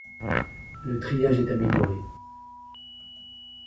Le triage est amélioré.